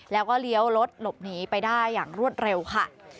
แล้วก็เลี้ยวรถหลบหนีไปได้อย่างรวดเร็วค่ะ